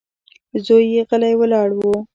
زوی يې غلی ولاړ و.